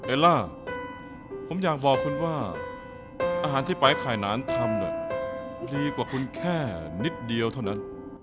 เอลล่ะผมอยากบอกคุณว่า